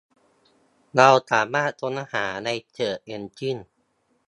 เราสามารถค้นหาในเสิร์ชเอ็นจิ้น